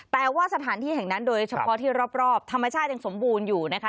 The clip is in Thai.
แต่ว่าสถานที่แห่งนั้นโดยเฉพาะที่รอบธรรมชาติยังสมบูรณ์อยู่นะคะ